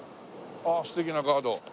あっ素敵なガード。